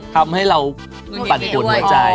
ทำให้เราปั่นปวดหัวใจ